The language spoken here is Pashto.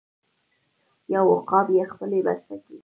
یو عقاب یې خپلې بسته کې